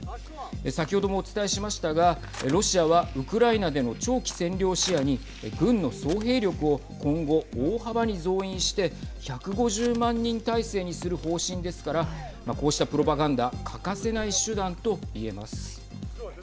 先ほどもお伝えしましたがロシアはウクライナでの長期占領を視野に軍の総兵力を今後大幅に増員して１５０万人態勢にする方針ですからこうしたプロバガンダ欠かせない手段と言えます。